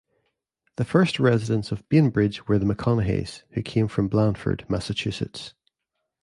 The first residents of Bainbridge were the McConougheys, who came from Blandford, Massachusetts.